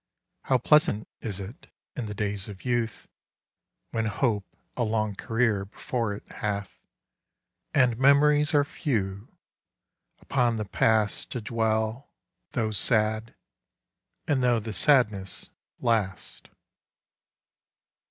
How pleasant is it, in the days of youth, When hope a long career before it hath, And memories are few, upon the past To dwell, though sad, and though the sadness last!